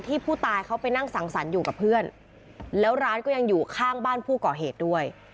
ผู้ตายเขาไปนั่งสังสรรค์อยู่กับเพื่อนแล้วร้านก็ยังอยู่ข้างบ้านผู้ก่อเหตุด้วย